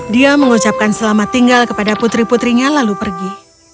dia mengucapkan selamat tinggal kepada putri putrinya lalu pergi